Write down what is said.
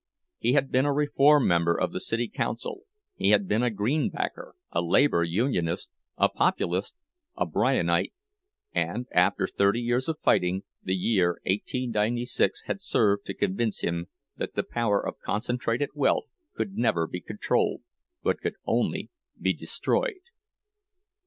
He had been a reform member of the city council, he had been a Greenbacker, a Labor Unionist, a Populist, a Bryanite—and after thirty years of fighting, the year 1896 had served to convince him that the power of concentrated wealth could never be controlled, but could only be destroyed.